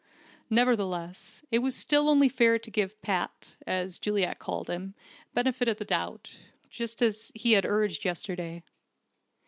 Nevertheless, it was still only fair to give "Pat" (as Juliet called him) the benefit of the doubt, just as he had urged yesterday.